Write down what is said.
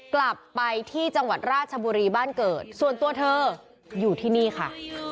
กลับไปที่จังหวัดราชบุรีบ้านเกิดส่วนตัวเธออยู่ที่นี่ค่ะ